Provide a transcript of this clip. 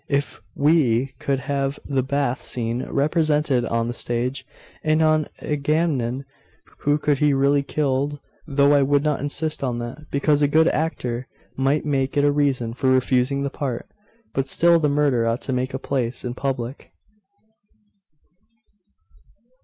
If we could have the bath scene represented on the stage, and an Agamemnon who could be really killed though I would not insist on that, because a good actor might make it a reason for refusing the part but still the murder ought to take place in public.